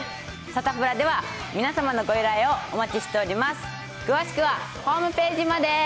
サタプラでは、皆様のご依頼をお待ちしております。